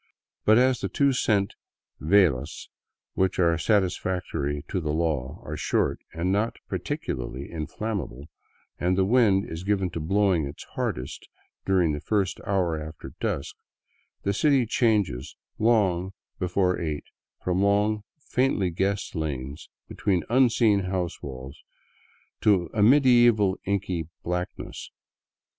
But as the two cent velas which are satisfactory to the law are short and not particularly inflammable, and the wind is given to blowing its hardest during the first hour after dusk, the city changes long before eight from long, faintly guessed lanes between unseen house walls to a medieval inky blackness.